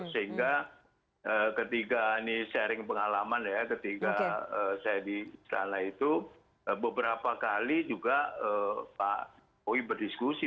sehingga ketika ini sharing pengalaman ya ketika saya di istana itu beberapa kali juga pak jokowi berdiskusi